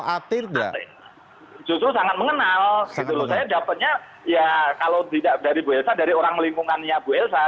saya jawabannya ya kalau tidak dari bu elsa dari orang lingkungannya bu elsa